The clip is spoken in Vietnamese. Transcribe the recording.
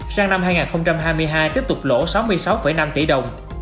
sang năm hai nghìn hai mươi hai tiếp tục lỗ sáu mươi sáu năm tỷ đồng